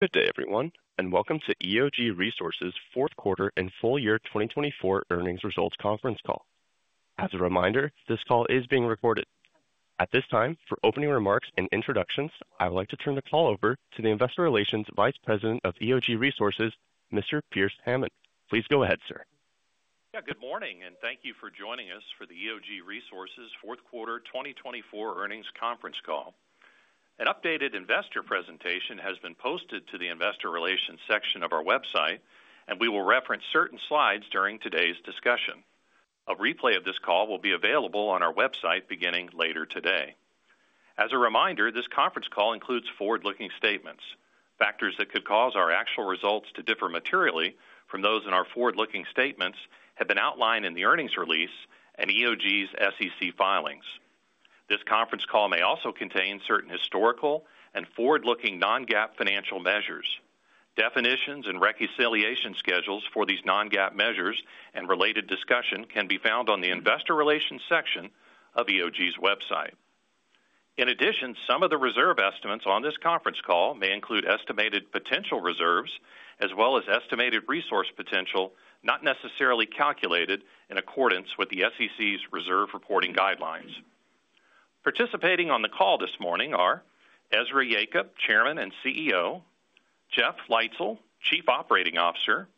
Good day, everyone, and Welcome to EOG Resources fourth quarter and full year 2024 earnings results conference call. As a reminder, this call is being recorded. At this time, for opening remarks and introductions, I would like to turn the call over to the Investor Relations Vice President of EOG Resources, Mr. Pearce Hammond. Please go ahead, sir. Good morning, and thank you for joining us for the EOG Resources fourth quarter 2024 earnings conference call. An updated investor presentation has been posted to the Investor Relations section of our website, and we will reference certain slides during today's discussion. A replay of this call will be available on our website beginning later today. As a reminder, this conference call includes forward-looking statements. Factors that could cause our actual results to differ materially from those in our forward-looking statements have been outlined in the earnings release and EOG's SEC filings. This conference call may also contain certain historical and forward-looking non-GAAP financial measures. Definitions and reconciliation schedules for these non-GAAP measures and related discussion can be found on the Investor Relations section of EOG's website. In addition, some of the reserve estimates on this conference call may include estimated potential reserves as well as estimated resource potential not necessarily calculated in accordance with the SEC's reserve reporting guidelines. Participating on the call this morning are Ezra Yacob, Chairman and CEO, Jeff Leitzell, Chief Operating Officer,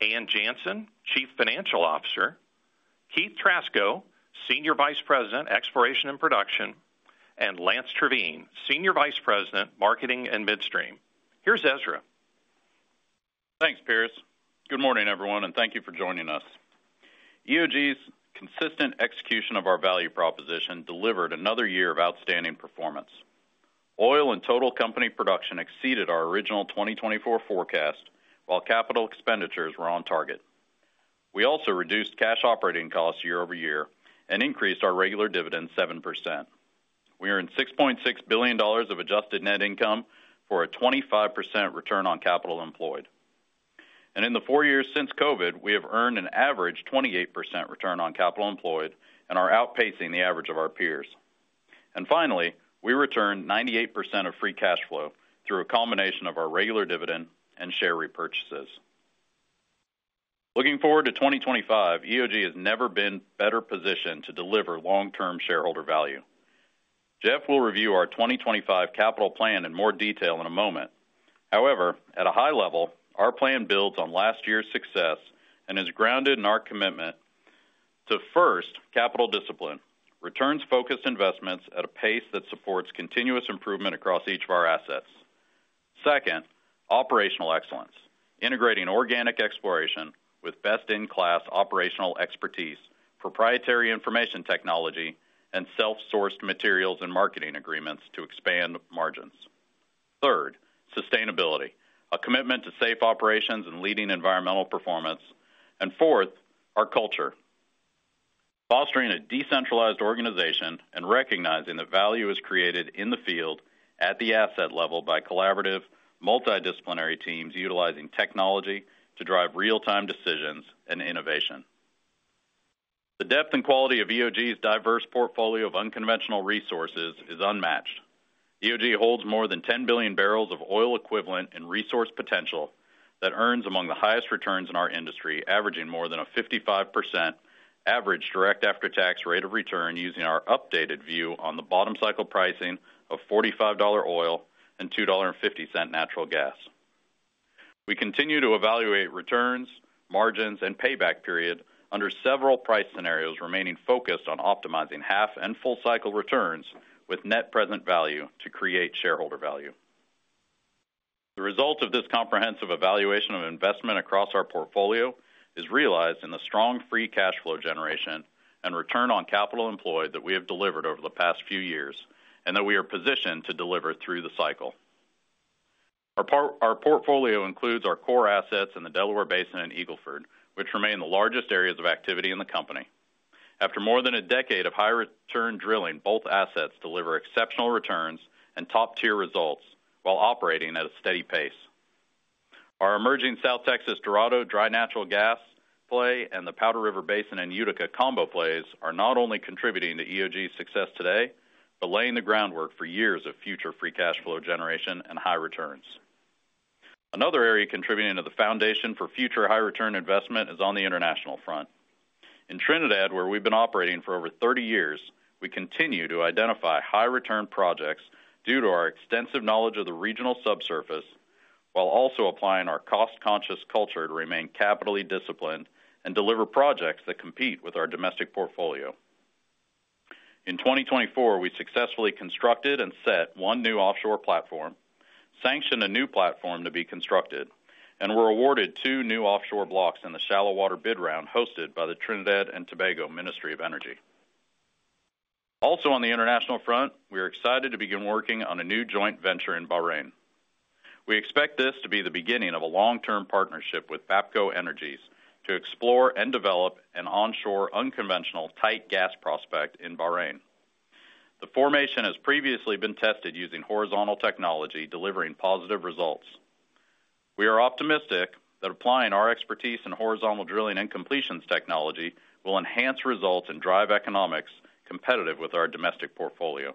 Ann Janssen, Chief Financial Officer, Keith Trasko, Senior Vice President, Exploration and Production, and Lance Terveen, Senior Vice President, Marketing and Midstream. Here's Ezra. Thanks, Pierce. Good morning, everyone, and thank you for joining us. EOG's consistent execution of our value proposition delivered another year of outstanding performance. Oil and total company production exceeded our original 2024 forecast while capital expenditures were on target. We also reduced cash operating costs year over year and increased our regular dividends 7%. We earned $6.6 billion of adjusted net income for a 25% return on capital employed. In the four years since COVID, we have earned an average 28% return on capital employed and are outpacing the average of our peers. Finally, we returned 98% of free cash flow through a combination of our regular dividend and share repurchases. Looking forward to 2025, EOG has never been better positioned to deliver long-term shareholder value. Jeff will review our 2025 capital plan in more detail in a moment. However, at a high level, our plan builds on last year's success and is grounded in our commitment to, first, capital discipline: returns-focused investments at a pace that supports continuous improvement across each of our assets. Second, operational excellence: integrating organic exploration with best-in-class operational expertise, proprietary information technology, and self-sourced materials and marketing agreements to expand margins. Third, sustainability: a commitment to safe operations and leading environmental performance. And fourth, our culture: fostering a decentralized organization and recognizing that value is created in the field at the asset level by collaborative, multidisciplinary teams utilizing technology to drive real-time decisions and innovation. The depth and quality of EOG's diverse portfolio of unconventional resources is unmatched. EOG holds more than 10 billion barrels of oil equivalent and resource potential that earns among the highest returns in our industry, averaging more than a 55% average direct after-tax rate of return using our updated view on the bottom cycle pricing of $45 oil and $2.50 natural gas. We continue to evaluate returns, margins, and payback period under several price scenarios, remaining focused on optimizing half and full cycle returns with net present value to create shareholder value. The result of this comprehensive evaluation of investment across our portfolio is realized in the strong free cash flow generation and return on capital employed that we have delivered over the past few years and that we are positioned to deliver through the cycle. Our portfolio includes our core assets in the Delaware Basin and Eagle Ford, which remain the largest areas of activity in the company. After more than a decade of high-return drilling, both assets deliver exceptional returns and top-tier results while operating at a steady pace. Our emerging South Texas Dorado dry natural gas play and the Powder River Basin and Utica combo plays are not only contributing to EOG's success today but laying the groundwork for years of future free cash flow generation and high returns. Another area contributing to the foundation for future high-return investment is on the international front. In Trinidad, where we've been operating for over 30 years, we continue to identify high-return projects due to our extensive knowledge of the regional subsurface while also applying our cost-conscious culture to remain capital disciplined and deliver projects that compete with our domestic portfolio. In 2024, we successfully constructed and set one new offshore platform, sanctioned a new platform to be constructed, and were awarded two new offshore blocks in the shallow water bid round hosted by the Trinidad and Tobago Ministry of Energy. Also, on the international front, we are excited to begin working on a new joint venture in Bahrain. We expect this to be the beginning of a long-term partnership with Bapco Energies to explore and develop an onshore unconventional tight gas prospect in Bahrain. The formation has previously been tested using horizontal technology, delivering positive results. We are optimistic that applying our expertise in horizontal drilling and completions technology will enhance results and drive economics competitive with our domestic portfolio.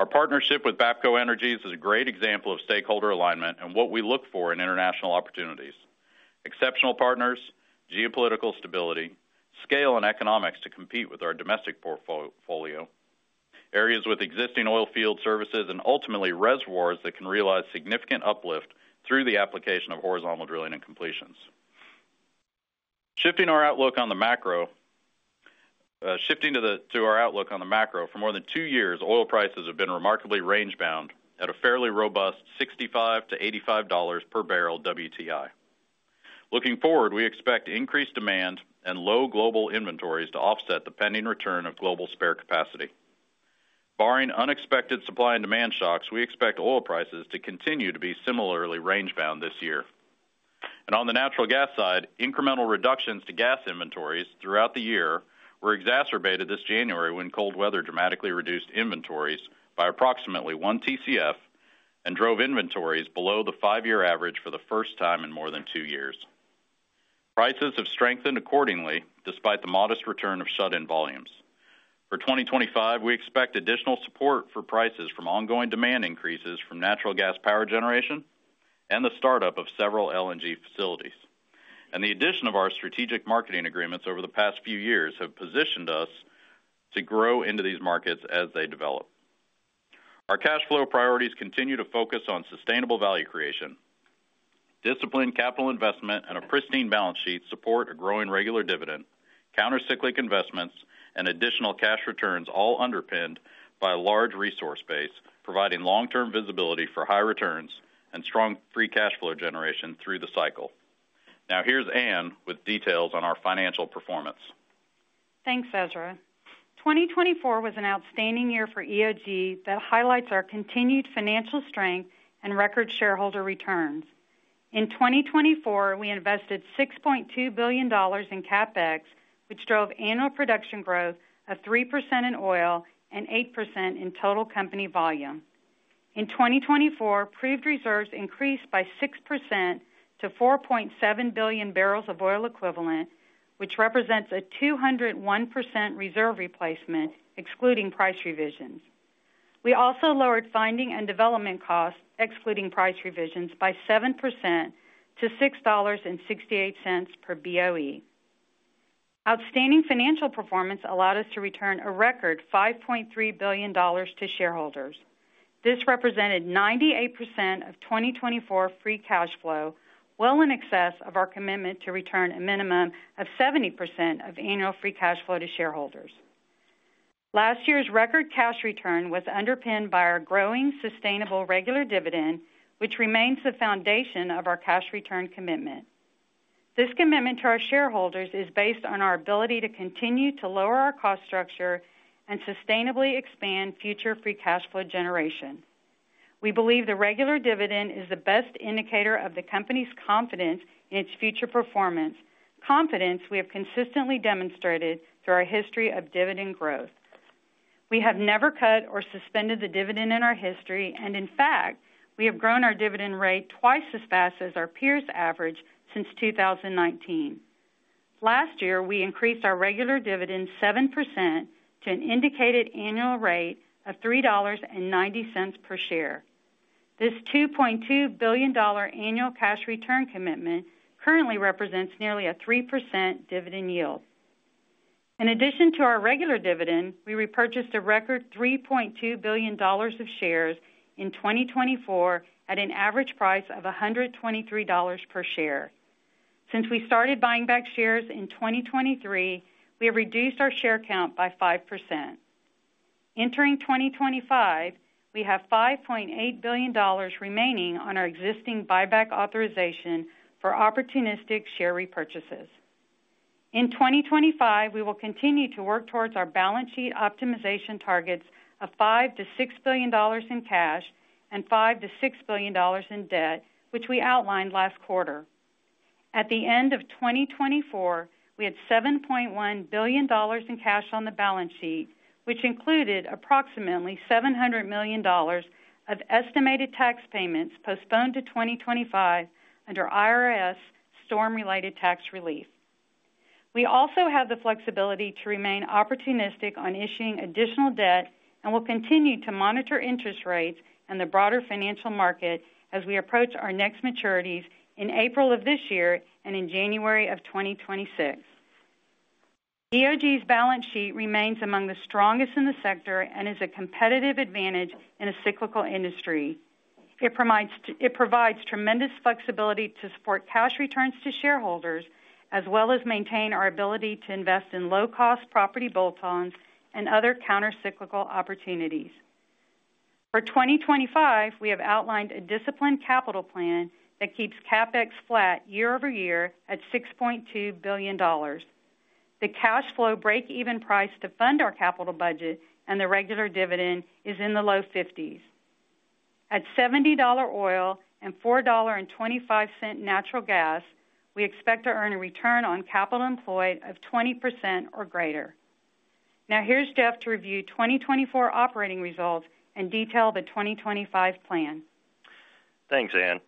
Our partnership with Bapco Energies is a great example of stakeholder alignment and what we look for in international opportunities: exceptional partners, geopolitical stability, scale and economics to compete with our domestic portfolio, areas with existing oil field services, and ultimately reservoirs that can realize significant uplift through the application of horizontal drilling and completions. Shifting our outlook on the macro, for more than two years, oil prices have been remarkably range-bound at a fairly robust $65-$85 per barrel WTI. Looking forward, we expect increased demand and low global inventories to offset the pending return of global spare capacity. Barring unexpected supply and demand shocks, we expect oil prices to continue to be similarly range-bound this year. On the natural gas side, incremental reductions to gas inventories throughout the year were exacerbated this January when cold weather dramatically reduced inventories by approximately one TCF and drove inventories below the five-year average for the first time in more than two years. Prices have strengthened accordingly despite the modest return of shut-in volumes. For 2025, we expect additional support for prices from ongoing demand increases from natural gas power generation and the startup of several LNG facilities. The addition of our strategic marketing agreements over the past few years have positioned us to grow into these markets as they develop. Our cash flow priorities continue to focus on sustainable value creation. Disciplined capital investment and a pristine balance sheet support a growing regular dividend, countercyclical investments, and additional cash returns, all underpinned by a large resource base, providing long-term visibility for high returns and strong free cash flow generation through the cycle. Now, here's Ann with details on our financial performance. Thanks, Ezra. 2024 was an outstanding year for EOG that highlights our continued financial strength and record shareholder returns. In 2024, we invested $6.2 billion in CapEx, which drove annual production growth of 3% in oil and 8% in total company volume. In 2024, proved reserves increased by 6% to 4.7 billion barrels of oil equivalent, which represents a 201% reserve replacement, excluding price revisions. We also lowered finding and development costs, excluding price revisions, by 7% to $6.68 per BOE. Outstanding financial performance allowed us to return a record $5.3 billion to shareholders. This represented 98% of 2024 free cash flow, well in excess of our commitment to return a minimum of 70% of annual free cash flow to shareholders. Last year's record cash return was underpinned by our growing sustainable regular dividend, which remains the foundation of our cash return commitment. This commitment to our shareholders is based on our ability to continue to lower our cost structure and sustainably expand future free cash flow generation. We believe the regular dividend is the best indicator of the company's confidence in its future performance, confidence we have consistently demonstrated through our history of dividend growth. We have never cut or suspended the dividend in our history, and in fact, we have grown our dividend rate twice as fast as our peers' average since 2019. Last year, we increased our regular dividend 7% to an indicated annual rate of $3.90 per share. This $2.2 billion annual cash return commitment currently represents nearly a 3% dividend yield. In addition to our regular dividend, we repurchased a record $3.2 billion of shares in 2024 at an average price of $123 per share. Since we started buying back shares in 2023, we have reduced our share count by 5%. Entering 2025, we have $5.8 billion remaining on our existing buyback authorization for opportunistic share repurchases. In 2025, we will continue to work towards our balance sheet optimization targets of $5-$6 billion in cash and $5-$6 billion in debt, which we outlined last quarter. At the end of 2024, we had $7.1 billion in cash on the balance sheet, which included approximately $700 million of estimated tax payments postponed to 2025 under IRS storm-related tax relief. We also have the flexibility to remain opportunistic on issuing additional debt and will continue to monitor interest rates and the broader financial market as we approach our next maturities in April of this year and in January of 2026. EOG's balance sheet remains among the strongest in the sector and is a competitive advantage in a cyclical industry. It provides tremendous flexibility to support cash returns to shareholders as well as maintain our ability to invest in low-cost property bolt-ons and other countercyclical opportunities. For 2025, we have outlined a disciplined capital plan that keeps CapEx flat year over year at $6.2 billion. The cash flow break-even price to fund our capital budget and the regular dividend is in the low 50s. At $70 oil and $4.25 natural gas, we expect to earn a return on capital employed of 20% or greater. Now, here's Jeff to review 2024 operating results and detail the 2025 plan. Thanks, Ann.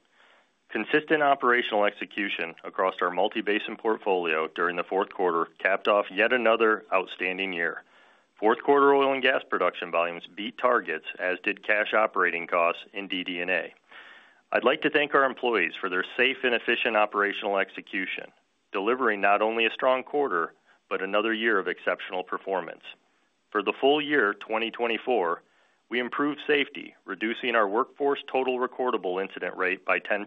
Consistent operational execution across our multi-basin portfolio during the fourth quarter capped off yet another outstanding year. Fourth quarter oil and gas production volumes beat targets, as did cash operating costs and DD&A. I'd like to thank our employees for their safe and efficient operational execution, delivering not only a strong quarter but another year of exceptional performance. For the full year 2024, we improved safety, reducing our workforce total recordable incident rate by 10%.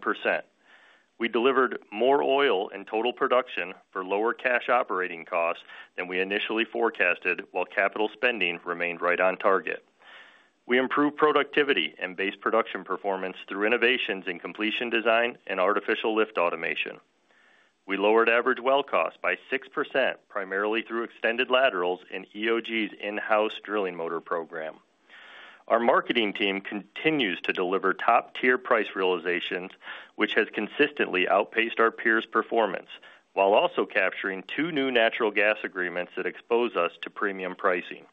We delivered more oil in total production for lower cash operating costs than we initially forecasted, while capital spending remained right on target. We improved productivity and base production performance through innovations in completion design and artificial lift automation. We lowered average well costs by 6%, primarily through extended laterals in EOG's in-house drilling motor program. Our marketing team continues to deliver top-tier price realizations, which has consistently outpaced our peers' performance, while also capturing two new natural gas agreements that expose us to premium pricing.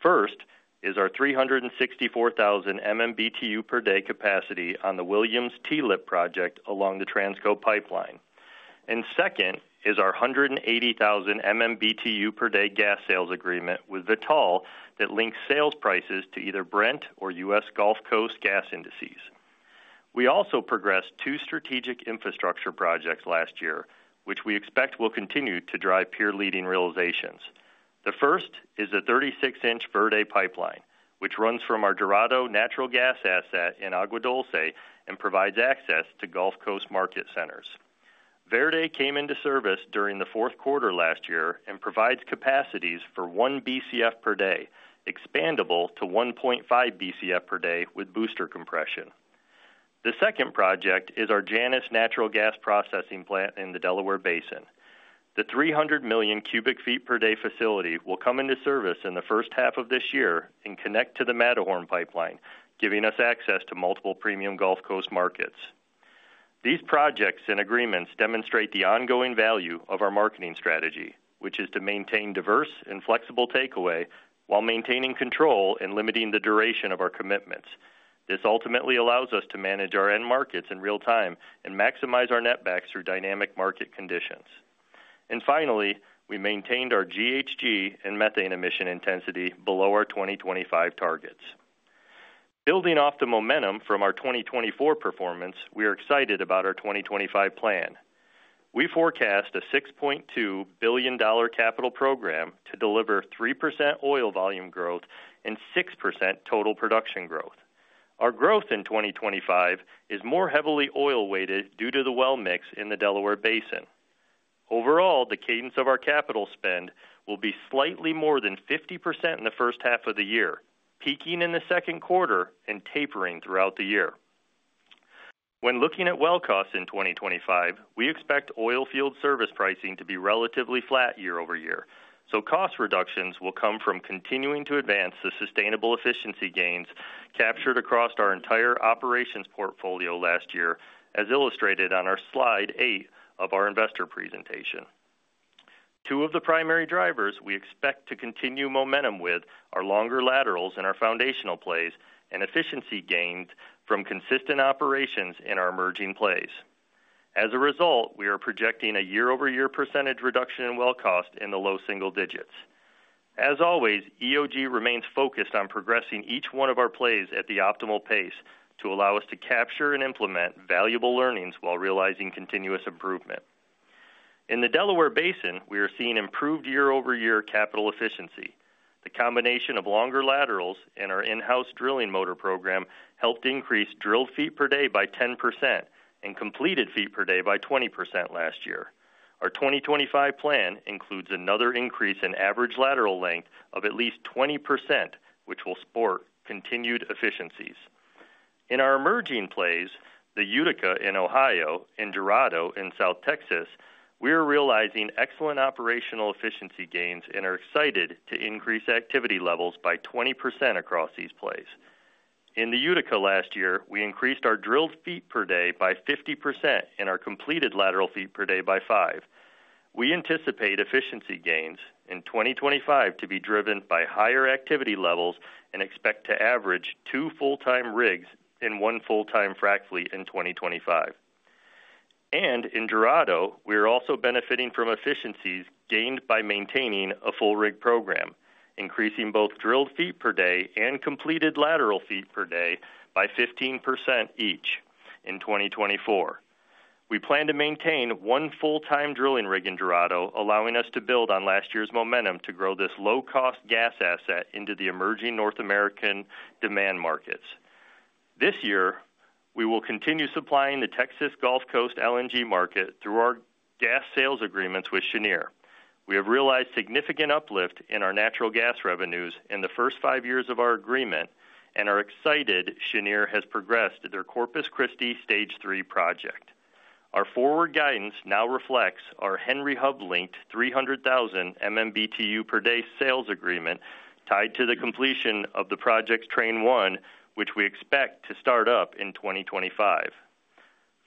First is our 364,000 MMBtu per day capacity on the Williams TLEP project along the Transco pipeline. And second is our 180,000 MMBtu per day gas sales agreement with Vitol that links sales prices to either Brent or U.S. Gulf Coast gas indices. We also progressed two strategic infrastructure projects last year, which we expect will continue to drive peer-leading realizations. The first is a 36-inch Verde pipeline, which runs from our Dorado natural gas asset in Agua Dulce and provides access to Gulf Coast market centers. Verde came into service during the fourth quarter last year and provides capacities for one BCF per day, expandable to 1.5 BCF per day with booster compression. The second project is our Janus natural gas processing plant in the Delaware Basin. The 300 million cubic feet per day facility will come into service in the first half of this year and connect to the Matterhorn pipeline, giving us access to multiple premium Gulf Coast markets. These projects and agreements demonstrate the ongoing value of our marketing strategy, which is to maintain diverse and flexible takeaway while maintaining control and limiting the duration of our commitments. This ultimately allows us to manage our end markets in real time and maximize our netback through dynamic market conditions. And finally, we maintained our GHG and methane emission intensity below our 2025 targets. Building off the momentum from our 2024 performance, we are excited about our 2025 plan. We forecast a $6.2 billion capital program to deliver 3% oil volume growth and 6% total production growth. Our growth in 2025 is more heavily oil-weighted due to the well mix in the Delaware Basin. Overall, the cadence of our capital spend will be slightly more than 50% in the first half of the year, peaking in the second quarter and tapering throughout the year. When looking at well costs in 2025, we expect oil field service pricing to be relatively flat year over year. So cost reductions will come from continuing to advance the sustainable efficiency gains captured across our entire operations portfolio last year, as illustrated on our slide eight of our investor presentation. Two of the primary drivers we expect to continue momentum with are longer laterals in our foundational plays and efficiency gains from consistent operations in our emerging plays. As a result, we are projecting a year-over-year percentage reduction in well cost in the low single digits. As always, EOG remains focused on progressing each one of our plays at the optimal pace to allow us to capture and implement valuable learnings while realizing continuous improvement. In the Delaware Basin, we are seeing improved year-over-year capital efficiency. The combination of longer laterals and our in-house drilling motor program helped increase drilled feet per day by 10% and completed feet per day by 20% last year. Our 2025 plan includes another increase in average lateral length of at least 20%, which will support continued efficiencies. In our emerging plays, the Utica in Ohio and Dorado in South Texas, we are realizing excellent operational efficiency gains and are excited to increase activity levels by 20% across these plays. In the Utica last year, we increased our drilled feet per day by 50% and our completed lateral feet per day by five. We anticipate efficiency gains in 2025 to be driven by higher activity levels and expect to average two full-time rigs and one full-time frac fleet in 2025, and in Dorado, we are also benefiting from efficiencies gained by maintaining a full rig program, increasing both drilled feet per day and completed lateral feet per day by 15% each in 2024. We plan to maintain one full-time drilling rig in Dorado, allowing us to build on last year's momentum to grow this low-cost gas asset into the emerging North American demand markets. This year, we will continue supplying the Texas Gulf Coast LNG market through our gas sales agreements with Cheniere. We have realized significant uplift in our natural gas revenues in the first five years of our agreement and are excited Cheniere has progressed their Corpus Christi Stage III project. Our forward guidance now reflects our Henry Hub-linked 300,000 MMBtu per day sales agreement tied to the completion of the project's Train 1, which we expect to start up in 2025.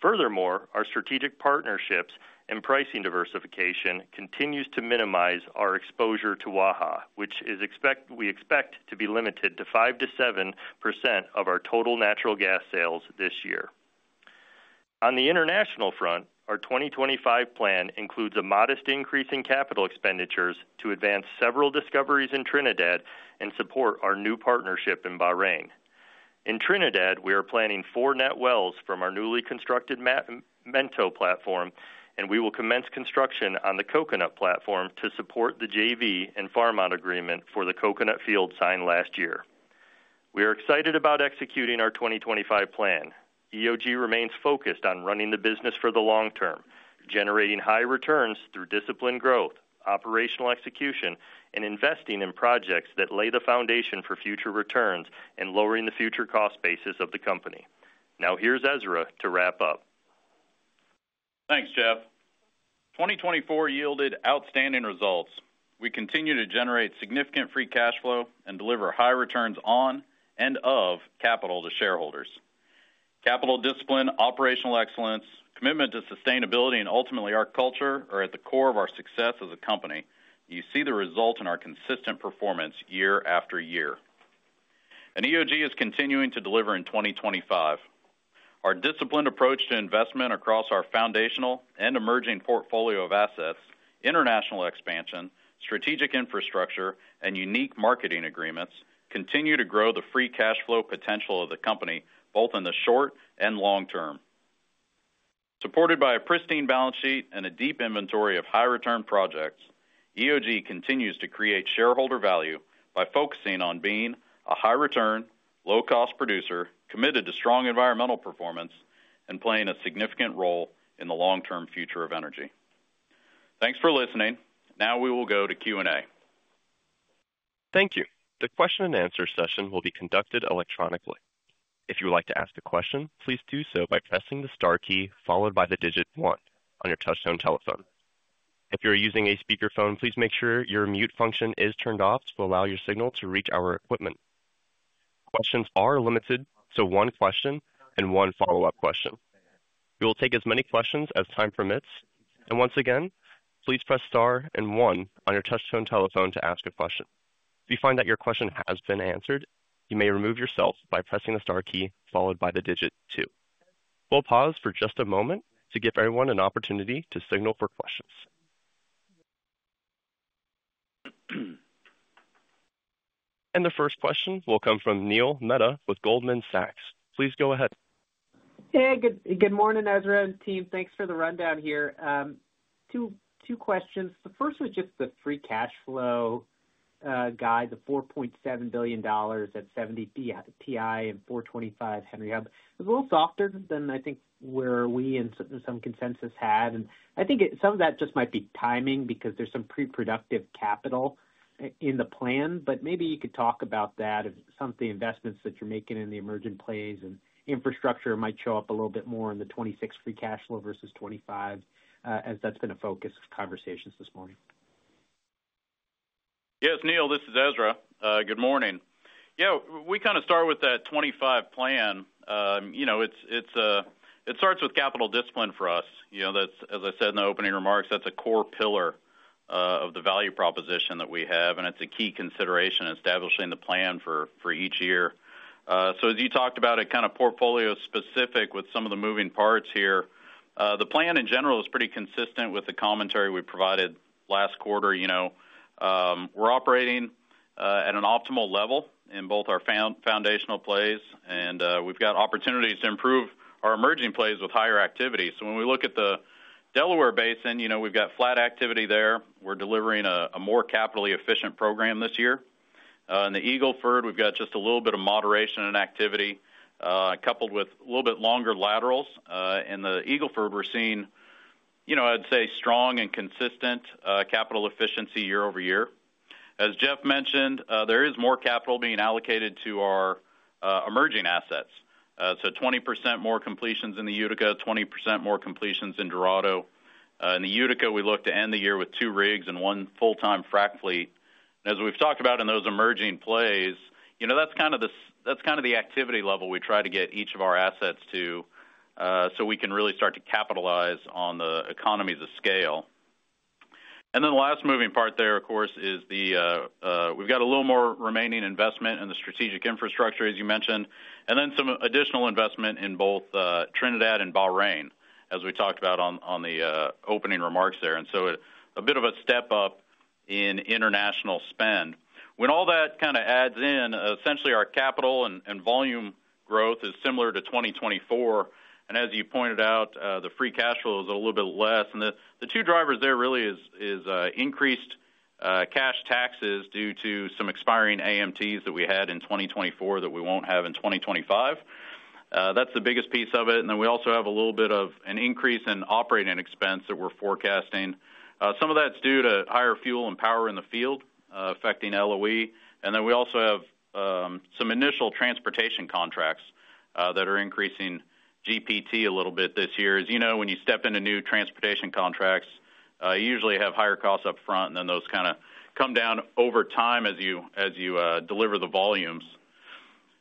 Furthermore, our strategic partnerships and pricing diversification continue to minimize our exposure to Waha, which we expect to be limited to 5%-7% of our total natural gas sales this year. On the international front, our 2025 plan includes a modest increase in capital expenditures to advance several discoveries in Trinidad and support our new partnership in Bahrain. In Trinidad, we are planning four net wells from our newly constructed Manta platform, and we will commence construction on the Coconut platform to support the JV and farm-out agreement for the Coconut field signed last year. We are excited about executing our 2025 plan. EOG remains focused on running the business for the long term, generating high returns through disciplined growth, operational execution, and investing in projects that lay the foundation for future returns and lowering the future cost basis of the company. Now, here's Ezra to wrap up. Thanks, Jeff. 2024 yielded outstanding results. We continue to generate significant free cash flow and deliver high returns on capital to shareholders. Capital discipline, operational excellence, commitment to sustainability, and ultimately our culture are at the core of our success as a company. You see the result in our consistent performance year after year. EOG is continuing to deliver in 2025. Our disciplined approach to investment across our foundational and emerging portfolio of assets, international expansion, strategic infrastructure, and unique marketing agreements continue to grow the free cash flow potential of the company both in the short and long term. Supported by a pristine balance sheet and a deep inventory of high-return projects, EOG continues to create shareholder value by focusing on being a high-return, low-cost producer committed to strong environmental performance and playing a significant role in the long-term future of energy. Thanks for listening. Now we will go to Q&A. Thank you. The question and answer session will be conducted electronically. If you would like to ask a question, please do so by pressing the star key followed by the digit one on your touch-tone telephone. If you're using a speakerphone, please make sure your mute function is turned off to allow your signal to reach our equipment. Questions are limited, so one question and one follow-up question. We will take as many questions as time permits. And once again, please press star and one on your touch-tone telephone to ask a question. If you find that your question has been answered, you may remove yourself by pressing the star key followed by the digit two. We'll pause for just a moment to give everyone an opportunity to signal for questions. And the first question will come from Neil Mehta with Goldman Sachs. Please go ahead. Hey, good morning, Ezra and team. Thanks for the rundown here. Two questions. The first was just the free cash flow guide, the $4.7 billion at $70 WTI and $4.25 Henry Hub. It's a little softer than I think where we and some consensus had. And I think some of that just might be timing because there's some pre-productive capital in the plan. But maybe you could talk about that, some of the investments that you're making in the emerging plays and infrastructure might show up a little bit more in the 2026 free cash flow versus 2025, as that's been a focus of conversations this morning. Yes, Neal, this is Ezra. Good morning. Yeah, we kind of start with that 25 plan. It starts with capital discipline for us. As I said in the opening remarks, that's a core pillar of the value proposition that we have, and it's a key consideration in establishing the plan for each year, so as you talked about, it kind of portfolio specific with some of the moving parts here. The plan in general is pretty consistent with the commentary we provided last quarter. We're operating at an optimal level in both our foundational plays, and we've got opportunities to improve our emerging plays with higher activity. So when we look at the Delaware Basin, we've got flat activity there. We're delivering a more capitally efficient program this year. In the Eagle Ford, we've got just a little bit of moderation in activity, coupled with a little bit longer laterals. In the Eagle Ford, we're seeing, I'd say, strong and consistent capital efficiency year over year. As Jeff mentioned, there is more capital being allocated to our emerging assets, so 20% more completions in the Utica, 20% more completions in Dorado. In the Utica, we look to end the year with two rigs and one full-time frac fleet, and as we've talked about in those emerging plays, that's kind of the activity level we try to get each of our assets to so we can really start to capitalize on the economies of scale. And then the last moving part there, of course, is we've got a little more remaining investment in the strategic infrastructure, as you mentioned, and then some additional investment in both Trinidad and Bahrain, as we talked about on the opening remarks there, and so a bit of a step up in international spend. When all that kind of adds in, essentially our capital and volume growth is similar to 2024. And as you pointed out, the free cash flow is a little bit less. And the two drivers there really are increased cash taxes due to some expiring AMTs that we had in 2024 that we won't have in 2025. That's the biggest piece of it. And then we also have a little bit of an increase in operating expense that we're forecasting. Some of that's due to higher fuel and power in the field affecting LOE. And then we also have some initial transportation contracts that are increasing GPT a little bit this year. As you know, when you step into new transportation contracts, you usually have higher costs upfront, and then those kind of come down over time as you deliver the volumes.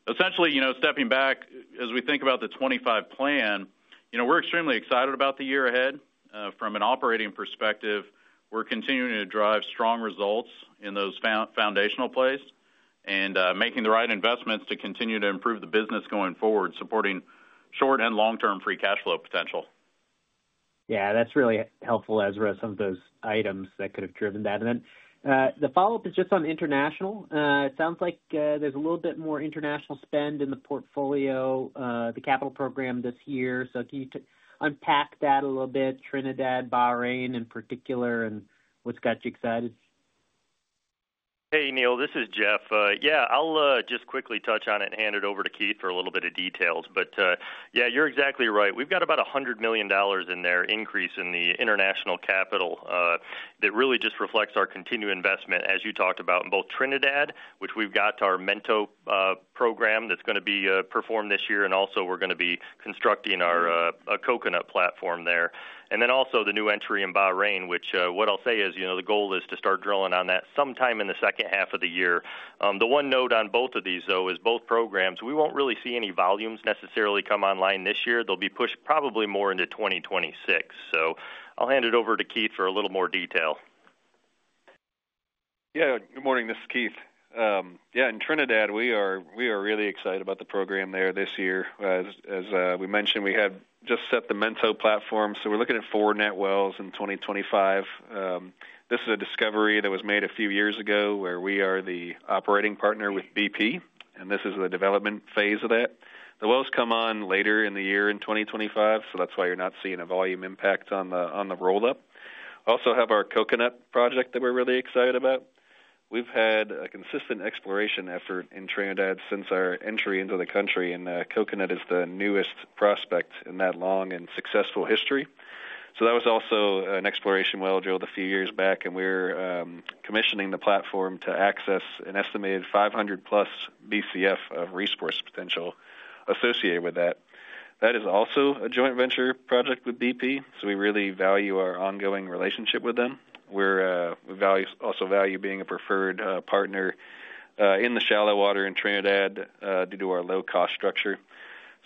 Essentially, stepping back, as we think about the 25 plan, we're extremely excited about the year ahead. From an operating perspective, we're continuing to drive strong results in those foundational plays and making the right investments to continue to improve the business going forward, supporting short and long-term free cash flow potential. Yeah, that's really helpful, Ezra. Some of those items that could have driven that, and then the follow-up is just on international. It sounds like there's a little bit more international spend in the portfolio, the capital program this year, so can you unpack that a little bit, Trinidad, Bahrain in particular, and what's got you excited? Hey, Neil, this is Jeff. Yeah, I'll just quickly touch on it and hand it over to Keith for a little bit of details. But yeah, you're exactly right. We've got about $100 million in the increase in the international capital that really just reflects our continued investment, as you talked about, in both Trinidad, which we've got to our Manta program that's going to be performed this year, and also we're going to be constructing our Coconut platform there. And then also the new entry in Bahrain, which what I'll say is the goal is to start drilling on that sometime in the second half of the year. The one note on both of these, though, is both programs, we won't really see any volumes necessarily come online this year. They'll be pushed probably more into 2026. So I'll hand it over to Keith for a little more detail. Yeah, good morning. This is Keith. Yeah, in Trinidad, we are really excited about the program there this year. As we mentioned, we have just set the Manta platform. So we're looking at four net wells in 2025. This is a discovery that was made a few years ago where we are the operating partner with BP, and this is the development phase of that. The wells come on later in the year in 2025, so that's why you're not seeing a volume impact on the roll-up. We also have our Coconut project that we're really excited about. We've had a consistent exploration effort in Trinidad since our entry into the country, and Coconut is the newest prospect in that long and successful history. So that was also an exploration well drilled a few years back, and we're commissioning the platform to access an estimated 500+ BCF of resource potential associated with that. That is also a joint venture project with BP, so we really value our ongoing relationship with them. We also value being a preferred partner in the shallow water in Trinidad due to our low-cost structure.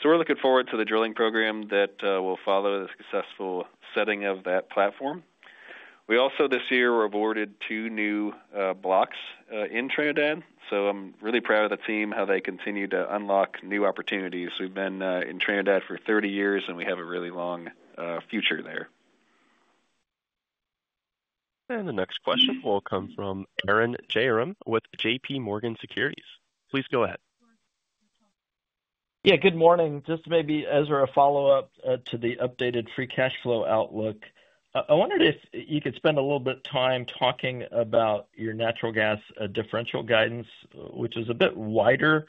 So we're looking forward to the drilling program that will follow the successful setting of that platform. We also, this year, were awarded two new blocks in Trinidad. So I'm really proud of the team, how they continue to unlock new opportunities. We've been in Trinidad for 30 years, and we have a really long future there. The next question will come from Arun Jayaram with J.P. Morgan Securities. Please go ahead. Yeah, good morning. Just maybe, Ezra, a follow-up to the updated free cash flow outlook. I wondered if you could spend a little bit of time talking about your natural gas differential guidance, which is a bit wider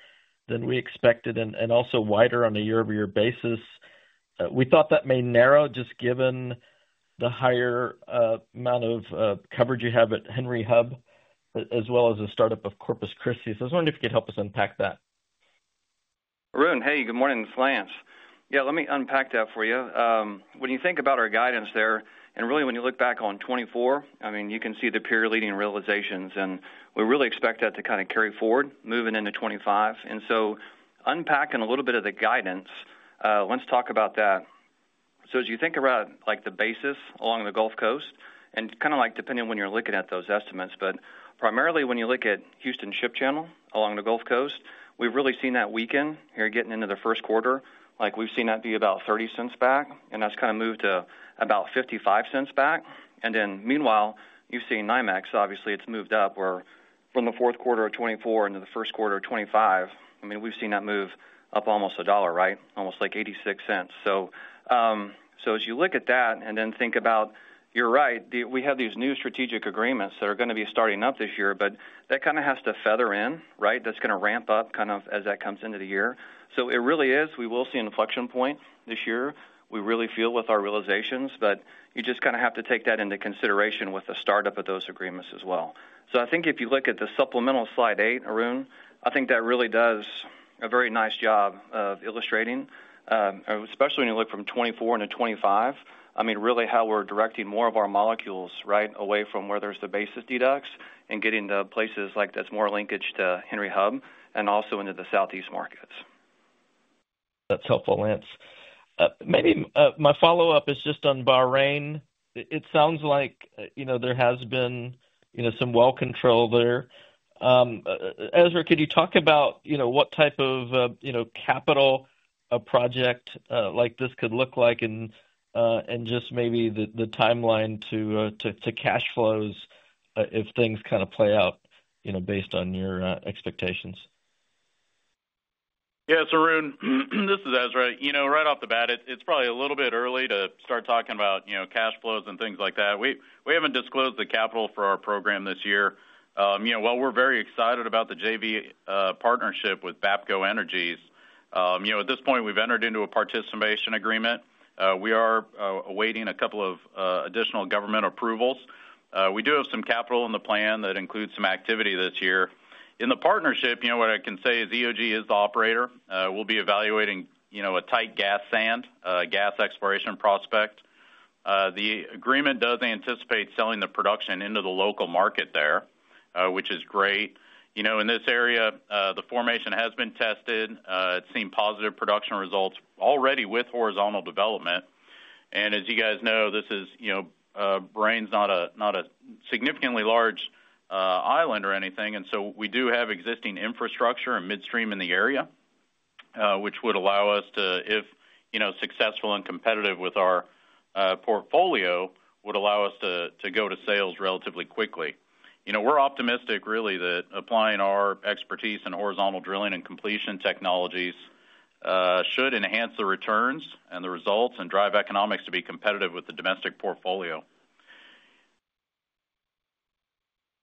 than we expected and also wider on a year-over-year basis. We thought that may narrow just given the higher amount of coverage you have at Henry Hub, as well as the startup of Corpus Christi. So I was wondering if you could help us unpack that. Arun, hey, good morning, everyone. Yeah, let me unpack that for you. When you think about our guidance there, and really when you look back on 2024, I mean, you can see the peer-leading realizations, and we really expect that to kind of carry forward moving into 2025. Unpacking a little bit of the guidance, let's talk about that. As you think about the basis along the Gulf Coast, and kind of depending on when you're looking at those estimates, but primarily when you look at Houston Ship Channel along the Gulf Coast, we've really seen that weaken here getting into the first quarter. We've seen that be about 30 cents back, and that's kind of moved to about 55 cents back. Meanwhile, you've seen NYMEX. Obviously, it's moved up from the fourth quarter of 2024 into the first quarter of 2025. I mean, we've seen that move up almost $1, right? Almost like $0.86. So as you look at that and then think about, you're right, we have these new strategic agreements that are going to be starting up this year, but that kind of has to feather in, right? That's going to ramp up kind of as that comes into the year. So it really is, we will see an inflection point this year. We really feel with our realizations, but you just kind of have to take that into consideration with the startup of those agreements as well. I think if you look at the supplemental slide eight, Arun, I think that really does a very nice job of illustrating, especially when you look from 2024 into 2025, I mean, really how we're directing more of our molecules away from where there's the basis deducts and getting to places like that's more linkage to Henry Hub and also into the Southeast markets. That's helpful, Lance. Maybe my follow-up is just on Bahrain. It sounds like there has been some well control there. Ezra, could you talk about what type of capital a project like this could look like and just maybe the timeline to cash flows if things kind of play out based on your expectations? Yeah, it's Arun. This is Ezra. Right off the bat, it's probably a little bit early to start talking about cash flows and things like that. We haven't disclosed the capital for our program this year. While we're very excited about the JV partnership with Bapco Energies, at this point, we've entered into a participation agreement. We are awaiting a couple of additional government approvals. We do have some capital in the plan that includes some activity this year. In the partnership, what I can say is EOG is the operator. We'll be evaluating a tight gas sand, gas exploration prospect. The agreement does anticipate selling the production into the local market there, which is great. In this area, the formation has been tested. It's seen positive production results already with horizontal development. And as you guys know, this is Bahrain. It's not a significantly large island or anything. We do have existing infrastructure and midstream in the area, which would allow us to, if successful and competitive with our portfolio, would allow us to go to sales relatively quickly. We're optimistic really that applying our expertise in horizontal drilling and completion technologies should enhance the returns and the results and drive economics to be competitive with the domestic portfolio.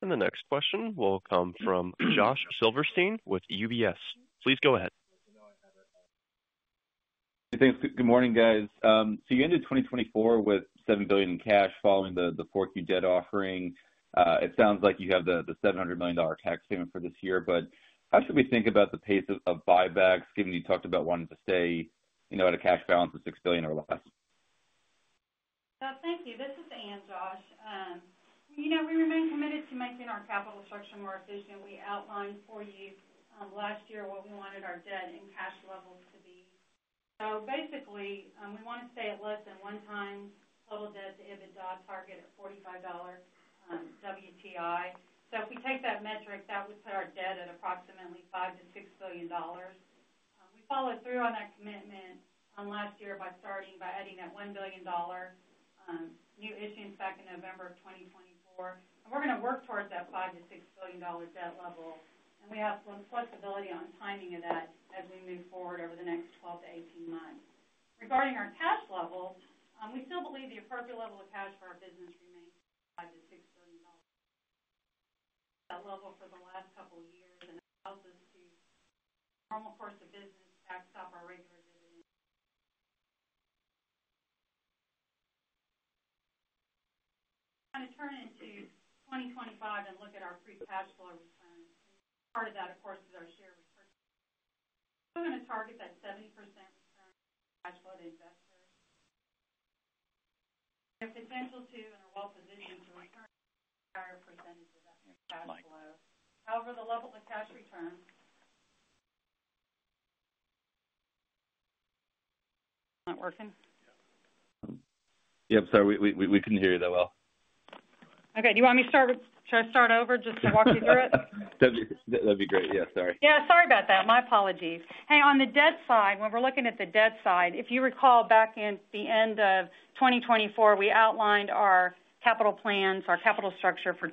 And the next question will come from Josh Silverstein with UBS. Please go ahead. Hey, thanks. Good morning, guys. So you ended 2024 with $7 billion in cash following the 4Q debt offering. It sounds like you have the $700 million tax payment for this year. But how should we think about the pace of buybacks, given you talked about wanting to stay at a cash balance of $6 billion or less? Thank you. This is Ann, Josh. We remain committed to making our capital structure more efficient. We outlined for you last year what we wanted our debt and cash levels to be. So basically, we want to stay at less than 1x total debt to EBITDA target at $45 WTI. So if we take that metric, that would put our debt at approximately $5-$6 billion. We followed through on that commitment last year by starting by adding that $1 billion new issuance back in November of 2024, and we're going to work towards that $5-$6 billion debt level, and we have some flexibility on timing of that as we move forward over the next 12 to 18 months. Regarding our cash level, we still believe the appropriate level of cash for our business remains $5-$6 billion. That level for the last couple of years and allows us, in the normal course of business, to backstop our regular dividend. Kind of turn into 2025 and look at our free cash flow return. Part of that, of course, is our share return. We're going to target that 70% return cash flow to investors. And we have the potential to and are well positioned to return a higher percentage of that cash flow. However, the level of cash return is not working. Yeah, I'm sorry. We couldn't hear you that well. Okay. Do you want me to try to start over just to walk you through it? That'd be great. Yeah, sorry. Yeah, sorry about that. My apologies. Hey, on the debt side, when we're looking at the debt side, if you recall back in the end of 2024, we outlined our capital plans, our capital structure for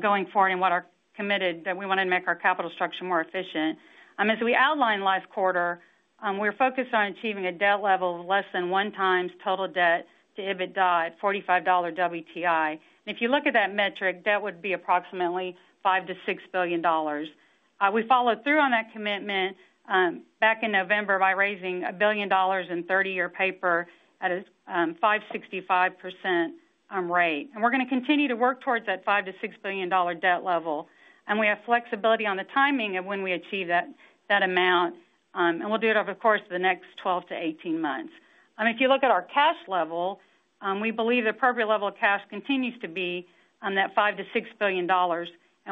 going forward and what our commitment that we wanted to make our capital structure more efficient. As we outlined last quarter, we were focused on achieving a debt level of less than 1x total debt to EBITDA at $45 WTI. And if you look at that metric, that would be approximately $5-$6 billion. We followed through on that commitment back in November by raising $1 billion in 30-year paper at a 5.65% rate. And we're going to continue to work towards that $5-$6 billion debt level. And we have flexibility on the timing of when we achieve that amount. We'll do it over, of course, the next 12-18 months. If you look at our cash level, we believe the appropriate level of cash continues to be that $5-$6 billion.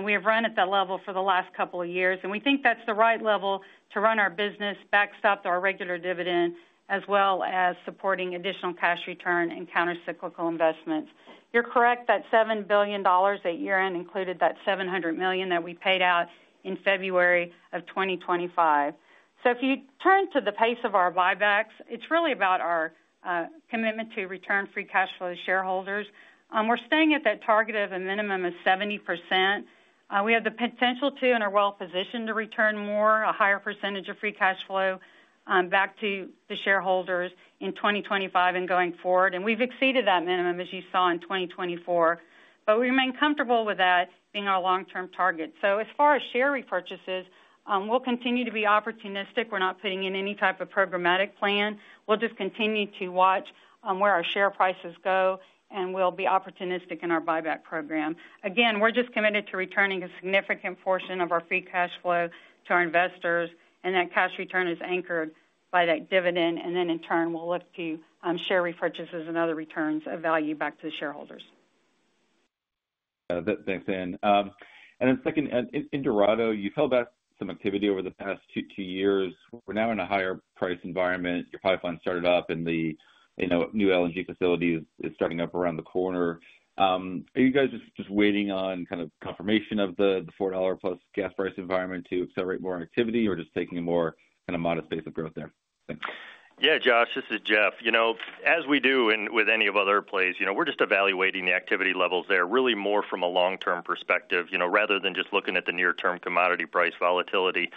We have run at that level for the last couple of years. We think that's the right level to run our business, backstop our regular dividend, as well as supporting additional cash return and countercyclical investments. You're correct that $7 billion at year-end included that $700 million that we paid out in February of 2025. If you turn to the pace of our buybacks, it's really about our commitment to return free cash flow to shareholders. We're staying at that target of a minimum of 70%. We have the potential to, and are well positioned to return more, a higher percentage of free cash flow back to the shareholders in 2025 and going forward. And we've exceeded that minimum, as you saw in 2024. But we remain comfortable with that being our long-term target. So as far as share repurchases, we'll continue to be opportunistic. We're not putting in any type of programmatic plan. We'll just continue to watch where our share prices go, and we'll be opportunistic in our buyback program. Again, we're just committed to returning a significant portion of our free cash flow to our investors, and that cash return is anchored by that dividend. And then, in turn, we'll look to share repurchases and other returns of value back to the shareholders. Thanks, Ann. And then second, in Dorado, you've held back some activity over the past two years. We're now in a higher price environment. Your pipeline started up, and the new LNG facility is starting up around the corner. Are you guys just waiting on kind of confirmation of the $4 plus gas price environment to accelerate more activity, or just taking a more kind of modest pace of growth there? Yeah, Josh, this is Jeff. As we do with any of the other plays, we're just evaluating the activity levels there really more from a long-term perspective rather than just looking at the near-term commodity price volatility.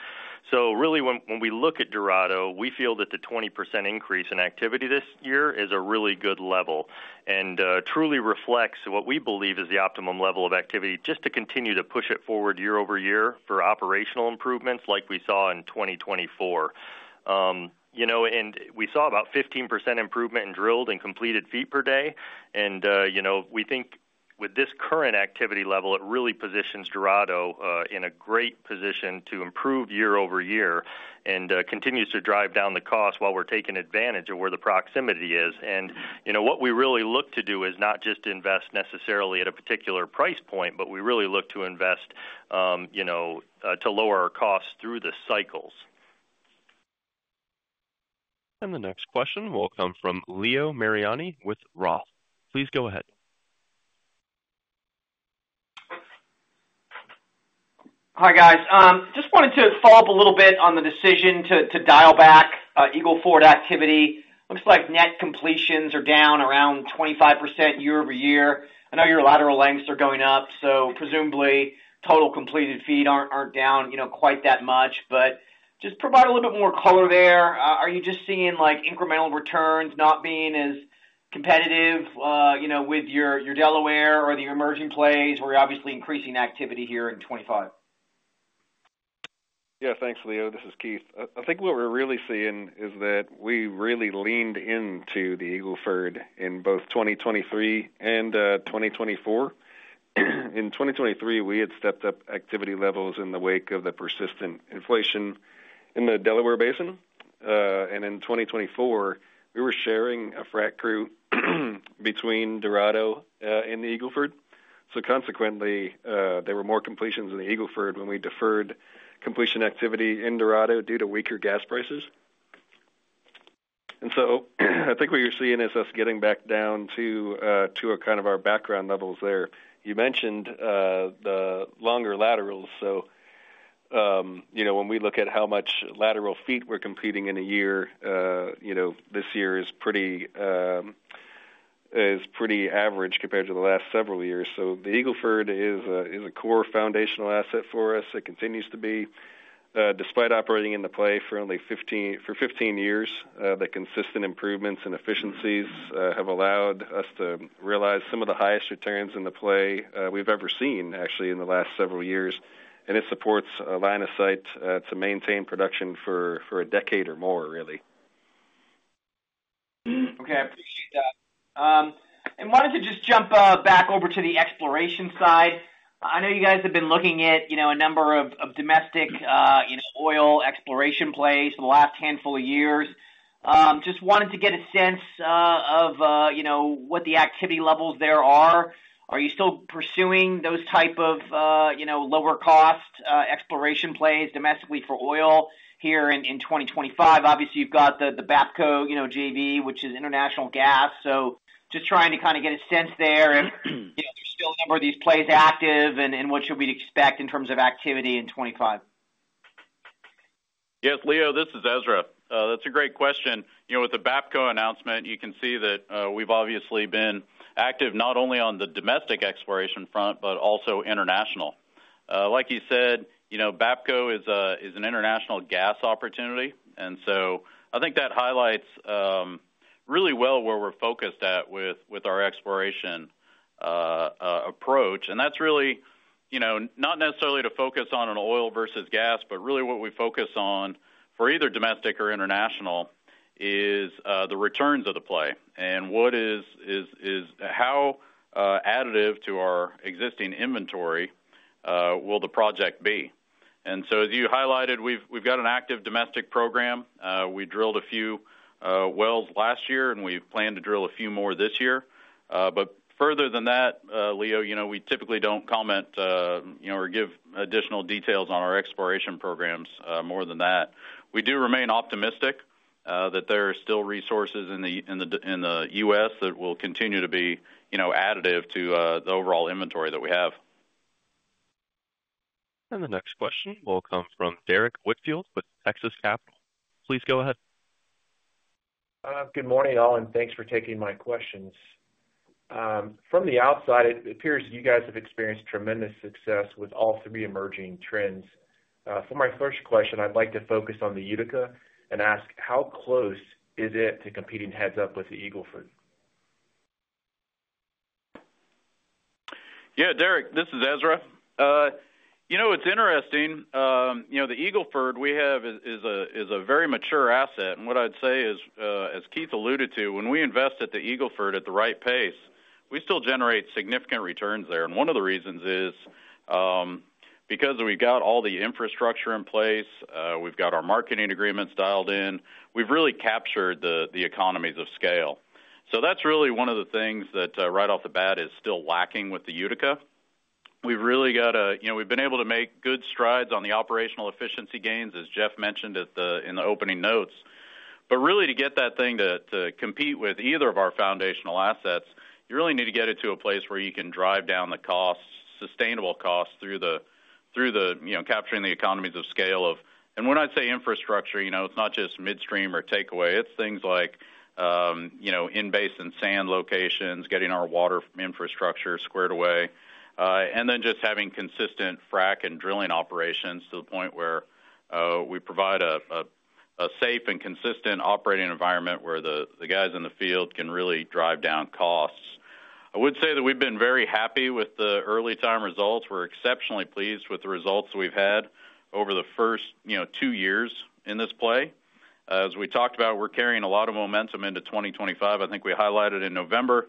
So really, when we look at Dorado, we feel that the 20% increase in activity this year is a really good level and truly reflects what we believe is the optimum level of activity just to continue to push it forward year over year for operational improvements like we saw in 2024. And we saw about 15% improvement in drilled and completed feet per day. And we think with this current activity level, it really positions Dorado in a great position to improve year over year and continues to drive down the cost while we're taking advantage of where the proximity is. What we really look to do is not just invest necessarily at a particular price point, but we really look to invest to lower our costs through the cycles. The next question will come from Leo Mariani with Roth. Please go ahead. Hi, guys. Just wanted to follow up a little bit on the decision to dial back Eagle Ford activity. Looks like net completions are down around 25% year over year. I know your lateral lengths are going up, so presumably total completed feet aren't down quite that much. But just provide a little bit more color there. Are you just seeing incremental returns not being as competitive with your Delaware or the emerging plays, or are you obviously increasing activity here in 2025? Yeah, thanks, Leo. This is Keith. I think what we're really seeing is that we really leaned into the Eagle Ford in both 2023 and 2024. In 2023, we had stepped up activity levels in the wake of the persistent inflation in the Delaware Basin, and in 2024, we were sharing a frac crew between Dorado and the Eagle Ford. So consequently, there were more completions in the Eagle Ford when we deferred completion activity in Dorado due to weaker gas prices, and so I think what you're seeing is us getting back down to kind of our background levels there. You mentioned the longer laterals, so when we look at how much lateral feet we're completing in a year, this year is pretty average compared to the last several years, so the Eagle Ford is a core foundational asset for us. It continues to be. Despite operating in the play for 15 years, the consistent improvements and efficiencies have allowed us to realize some of the highest returns in the play we've ever seen, actually, in the last several years, and it supports a line of sight to maintain production for a decade or more, really. Okay. I appreciate that and wanted to just jump back over to the exploration side. I know you guys have been looking at a number of domestic oil exploration plays for the last handful of years. Just wanted to get a sense of what the activity levels there are. Are you still pursuing those type of lower-cost exploration plays domestically for oil here in 2025? Obviously, you've got the Bapco JV, which is international gas. So just trying to kind of get a sense there if there's still a number of these plays active and what should we expect in terms of activity in 2025. Yes, Leo, this is Ezra. That's a great question. With the Bapco announcement, you can see that we've obviously been active not only on the domestic exploration front, but also international. Like you said, Bapco is an international gas opportunity, and so I think that highlights really well where we're focused at with our exploration approach, and that's really not necessarily to focus on an oil versus gas, but really what we focus on for either domestic or international is the returns of the play and how additive to our existing inventory will the project be, and so as you highlighted, we've got an active domestic program. We drilled a few wells last year, and we've planned to drill a few more this year, but further than that, Leo, we typically don't comment or give additional details on our exploration programs more than that. We do remain optimistic that there are still resources in the U.S. that will continue to be additive to the overall inventory that we have. And the next question will come from Derrick Whitfield with Texas Capital. Please go ahead. Good morning, all, and thanks for taking my questions. From the outside, it appears you guys have experienced tremendous success with all three emerging trends. For my first question, I'd like to focus on the Utica and ask, how close is it to competing heads up with the Eagle Ford? Yeah, Derek, this is Ezra. You know it's interesting. The Eagle Ford we have is a very mature asset. And what I'd say is, as Keith alluded to, when we invest at the Eagle Ford at the right pace, we still generate significant returns there. And one of the reasons is because we've got all the infrastructure in place. We've got our marketing agreements dialed in. We've really captured the economies of scale. So that's really one of the things that right off the bat is still lacking with the Utica. We've been able to make good strides on the operational efficiency gains, as Jeff mentioned in the opening notes. But really, to get that thing to compete with either of our foundational assets, you really need to get it to a place where you can drive down the costs, sustainable costs through capturing the economies of scale of. And when I say infrastructure, it's not just midstream or takeaway. It's things like in-basin sand locations, getting our water infrastructure squared away, and then just having consistent frac and drilling operations to the point where we provide a safe and consistent operating environment where the guys in the field can really drive down costs. I would say that we've been very happy with the early-time results. We're exceptionally pleased with the results we've had over the first two years in this play. As we talked about, we're carrying a lot of momentum into 2025. I think we highlighted in November that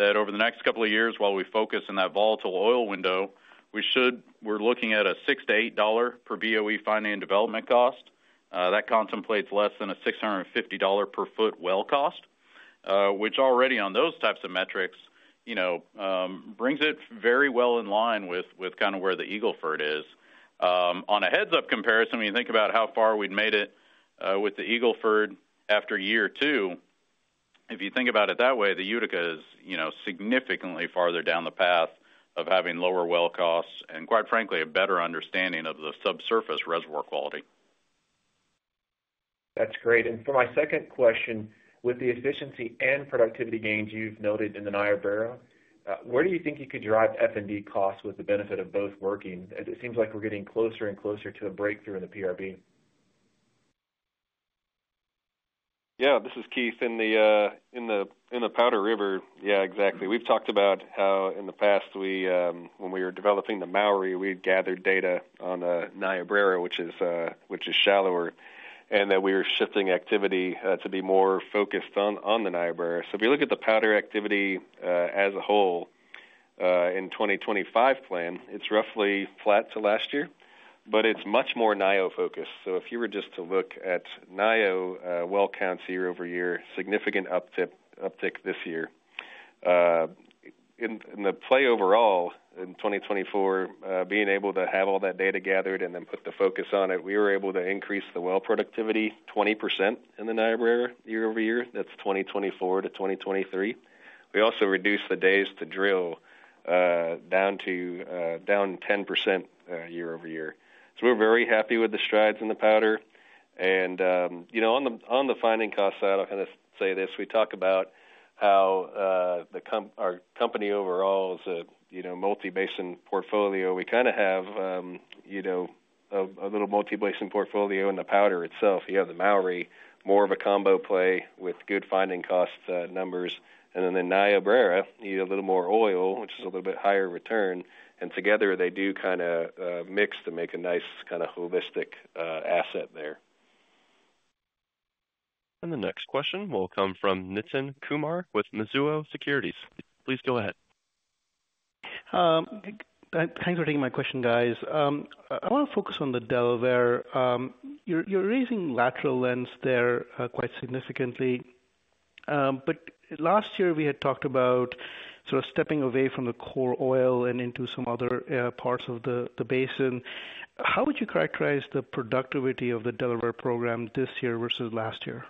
over the next couple of years, while we focus on that volatile oil window, we're looking at a $6-$8 per BOE finding and development cost. That contemplates less than a $650 per foot well cost, which already on those types of metrics brings it very well in line with kind of where the Eagle Ford is. On a head-to-head comparison, when you think about how far we've made it with the Eagle Ford after year two, if you think about it that way, the Utica is significantly farther down the path of having lower well costs and, quite frankly, a better understanding of the subsurface reservoir quality. That's great. And for my second question, with the efficiency and productivity gains you've noted in the Niobrara, where do you think you could drive F&D costs with the benefit of both working? It seems like we're getting closer and closer to a breakthrough in the PRB. Yeah, this is Keith in the Powder River. Yeah, exactly. We've talked about how in the past, when we were developing the Mowry, we had gathered data on the Niobrara, which is shallower, and that we were shifting activity to be more focused on the Niobrara. So if you look at the Powder activity as a whole in 2025 plan, it's roughly flat to last year, but it's much more Niobrara-focused. So if you were just to look at Niobrara well counts year over year, significant uptick this year. In the play overall in 2024, being able to have all that data gathered and then put the focus on it, we were able to increase the well productivity 20% in the Niobrara year over year. That's 2024 to 2023. We also reduced the days to drill down 10% year over year. We're very happy with the strides in the Powder. And on the finding cost side, I'll kind of say this. We talk about how our company overall is a multi-basin portfolio. We kind of have a little multi-basin portfolio in the Powder itself. You have the Mowry, more of a combo play with good finding cost numbers. And then the Niobrara, a little more oil, which is a little bit higher return. And together, they do kind of mix to make a nice kind of holistic asset there. The next question will come from Nitin Kumar with Mizuho Securities. Please go ahead. Thanks for taking my question, guys. I want to focus on the Delaware. You're raising lateral length there quite significantly. But last year, we had talked about sort of stepping away from the core oil and into some other parts of the basin. How would you characterize the productivity of the Delaware program this year versus last year?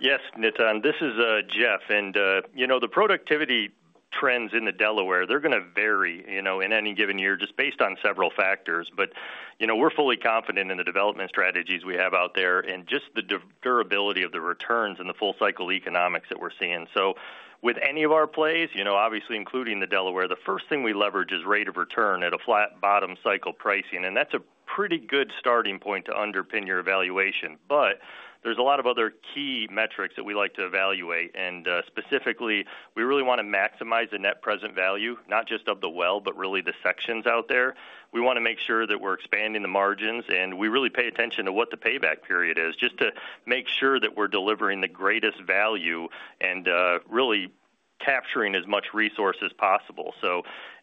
Yes, Nitin. This is Jeff. And the productivity trends in the Delaware, they're going to vary in any given year just based on several factors. But we're fully confident in the development strategies we have out there and just the durability of the returns and the full-cycle economics that we're seeing. So with any of our plays, obviously including the Delaware, the first thing we leverage is rate of return at a flat bottom cycle pricing. And that's a pretty good starting point to underpin your evaluation. But there's a lot of other key metrics that we like to evaluate. And specifically, we really want to maximize the net present value, not just of the well, but really the sections out there. We want to make sure that we're expanding the margins. We really pay attention to what the payback period is just to make sure that we're delivering the greatest value and really capturing as much resource as possible.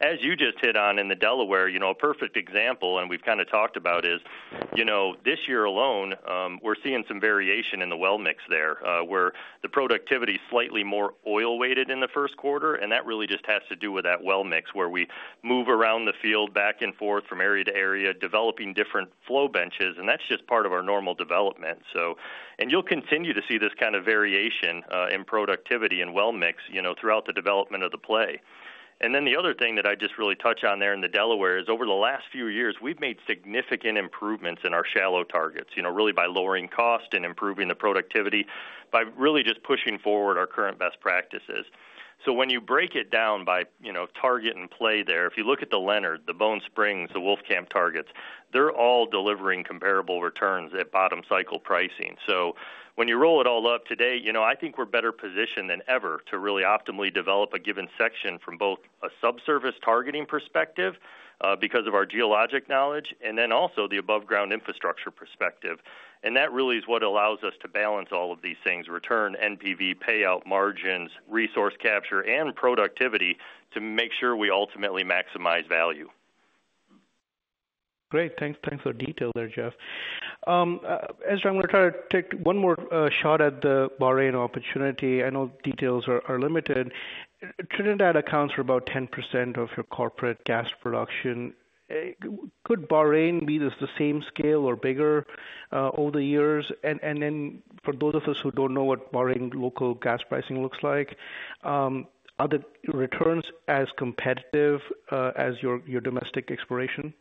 As you just hit on in the Delaware, a perfect example, and we've kind of talked about, is this year alone, we're seeing some variation in the well mix there where the productivity is slightly more oil-weighted in the first quarter. That really just has to do with that well mix where we move around the field back and forth from area to area, developing different benches. That's just part of our normal development. You'll continue to see this kind of variation in productivity and well mix throughout the development of the play. And then the other thing that I just really touch on there in the Delaware is over the last few years, we've made significant improvements in our shallow targets, really by lowering cost and improving the productivity by really just pushing forward our current best practices. So when you break it down by target and play there, if you look at the Leonard, the Bone Springs, the Wolfcamp targets, they're all delivering comparable returns at bottom cycle pricing. So when you roll it all up today, I think we're better positioned than ever to really optimally develop a given section from both a subsurface targeting perspective because of our geologic knowledge and then also the above-ground infrastructure perspective. And that really is what allows us to balance all of these things: return, NPV, payout margins, resource capture, and productivity to make sure we ultimately maximize value. Great. Thanks for the detail there, Jeff. Ezra, I'm going to try to take one more shot at the Bahrain opportunity. I know details are limited. Trinidad accounts for about 10% of your corporate gas production. Could Bahrain be the same scale or bigger over the years? And then for those of us who don't know what Bahrain local gas pricing looks like, are the returns as competitive as your domestic exploration?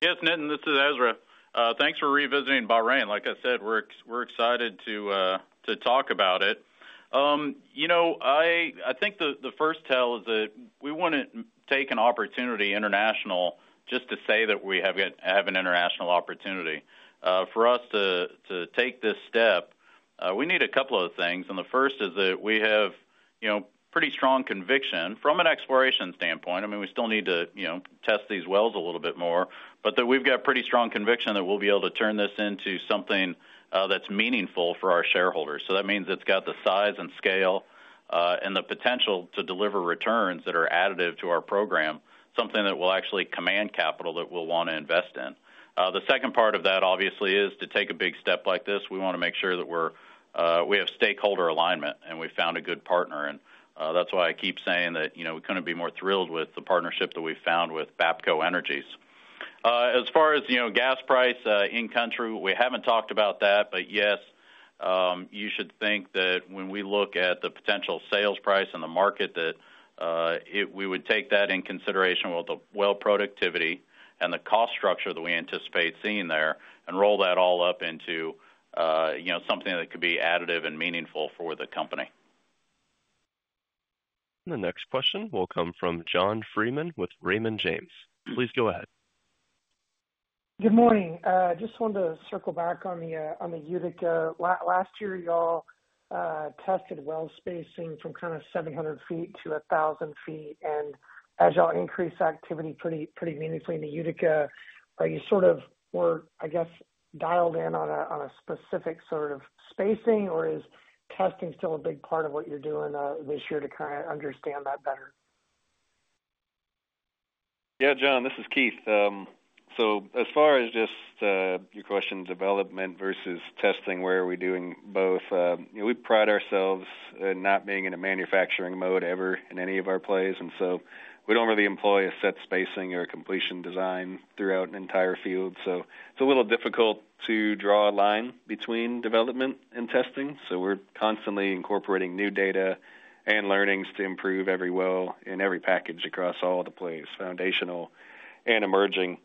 Yes, Nitin, this is Ezra. Thanks for revisiting Bahrain. Like I said, we're excited to talk about it. I think the first tell is that we want to take an opportunity international just to say that we have an international opportunity. For us to take this step, we need a couple of things, and the first is that we have pretty strong conviction from an exploration standpoint. I mean, we still need to test these wells a little bit more, but that we've got pretty strong conviction that we'll be able to turn this into something that's meaningful for our shareholders. So that means it's got the size and scale and the potential to deliver returns that are additive to our program, something that will actually command capital that we'll want to invest in. The second part of that, obviously, is to take a big step like this. We want to make sure that we have stakeholder alignment, and we found a good partner, and that's why I keep saying that we couldn't be more thrilled with the partnership that we found with Bapco Energies. As far as gas price in country, we haven't talked about that, but yes, you should think that when we look at the potential sales price and the market, that we would take that in consideration with the well productivity and the cost structure that we anticipate seeing there and roll that all up into something that could be additive and meaningful for the company. And the next question will come from John Freeman with Raymond James. Please go ahead. Good morning. I just wanted to circle back on the Utica. Last year, y'all tested well spacing from kind of 700 feet to 1,000 feet. And as y'all increase activity pretty meaningfully in the Utica, are you sort of, I guess, dialed in on a specific sort of spacing, or is testing still a big part of what you're doing this year to kind of understand that better? Yeah, John, this is Keith. So as far as just your question, development versus testing, where are we doing both? We pride ourselves in not being in a manufacturing mode ever in any of our plays. And so we don't really employ a set spacing or a completion design throughout an entire field. So it's a little difficult to draw a line between development and testing. So we're constantly incorporating new data and learnings to improve every well in every package across all the plays, foundational and emerging.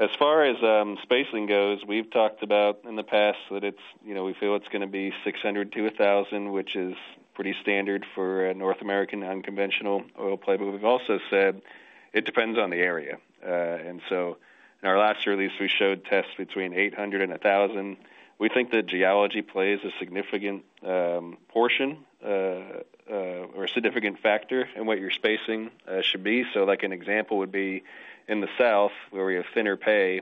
As far as spacing goes, we've talked about in the past that we feel it's going to be 600-1,000, which is pretty standard for a North American unconventional oil play. But we've also said it depends on the area. And so in our last release, we showed tests between 800 and 1,000. We think that geology plays a significant portion or a significant factor in what your spacing should be. So an example would be in the south where we have thinner pay,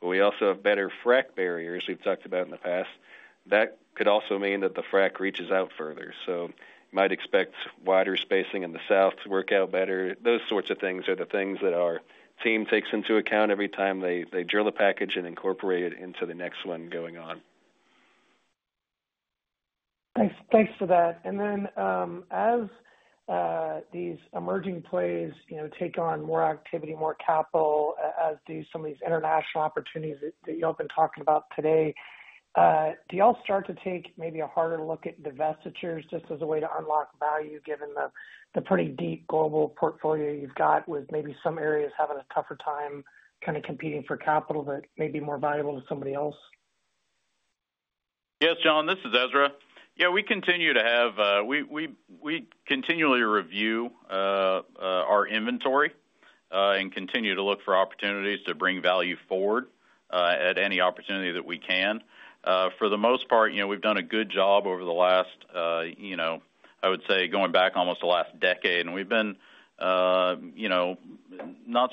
but we also have better frac barriers we've talked about in the past. That could also mean that the frac reaches out further. So you might expect wider spacing in the south to work out better. Those sorts of things are the things that our team takes into account every time they drill a package and incorporate it into the next one going on. Thanks for that. And then as these emerging plays take on more activity, more capital, as do some of these international opportunities that y'all have been talking about today, do y'all start to take maybe a harder look at divestitures just as a way to unlock value given the pretty deep global portfolio you've got with maybe some areas having a tougher time kind of competing for capital that may be more valuable to somebody else? Yes, John, this is Ezra. Yeah, we continually review our inventory and continue to look for opportunities to bring value forward at any opportunity that we can. For the most part, we've done a good job over the last, I would say, going back almost the last decade. And we've been, not